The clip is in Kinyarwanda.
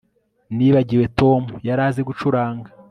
Nibagiwe Tom yari azi gucuranga